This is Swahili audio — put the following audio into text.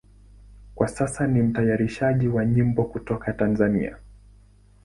Kwa sasa ni mtayarishaji wa nyimbo kutoka Tanzania.